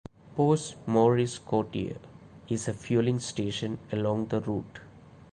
Poste Maurice Cortier is a fueling station along the route.